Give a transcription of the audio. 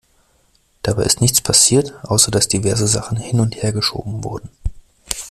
Dabei ist nichts passiert, außer dass diverse Sachen hin- und hergeschoben wurden.